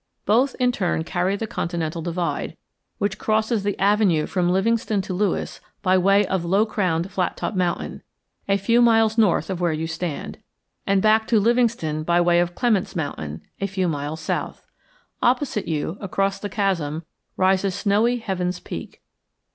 Both in turn carry the continental divide, which crosses the avenue from Livingston to Lewis by way of low crowned Flattop Mountain, a few miles north of where you stand, and back to Livingston by way of Clements Mountain, a few miles south. Opposite you, across the chasm, rises snowy Heavens Peak.